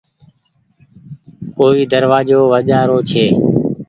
ڪوئي دروآزو وجهآ رو ڇي